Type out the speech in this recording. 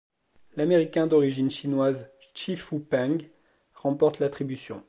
L'Américain d'origine chinoise Shih-Fu Peng remporte l'attribution.